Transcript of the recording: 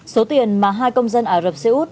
số tiền mà hai công dân ả rập xê út